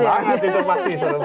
seru banget itu pasti